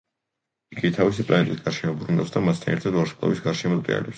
იგი თავისი პლანეტის გარშემო ბრუნავს და მასთან ერთად ვარსკვლავის გარშემო ტრიალებს.